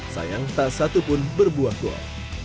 sayang tak satu pun berbuah gol